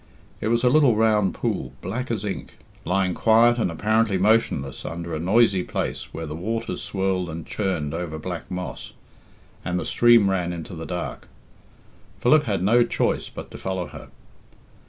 It was a little round pool, black as ink, lying quiet and apparently motionless under a noisy place where the waters swirled and churned over black moss, and the stream ran into the dark. Philip had no choice but to follow her.